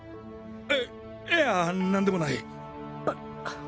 いいや何でもない。